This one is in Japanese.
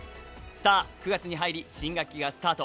さあ９月に入り新学期がスタート。